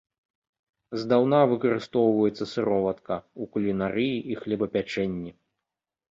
Здаўна выкарыстоўваецца сыроватка ў кулінарыі і хлебапячэнні.